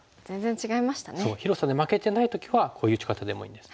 そう広さで負けてない時はこういう打ち方でもいいんです。